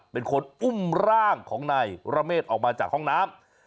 เป็นคนอุ้มร่างของนายระเมฆออกมาจากห้องน้ำ